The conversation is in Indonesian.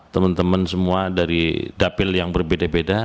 teman teman semua dari dapil yang berbeda beda